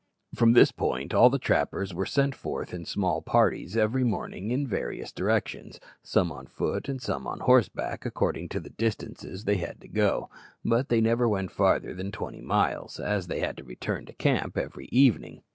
From this point all the trappers were sent forth in small parties every morning in various directions, some on foot and some on horseback, according to the distances they had to go; but they never went farther than twenty miles, as they had to return to camp every evening.